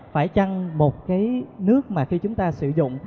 phải chăng một cái nước mà khi chúng ta sử dụng